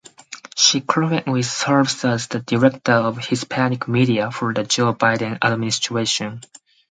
She currently serves as the director of Hispanic media for the Joe Biden administration.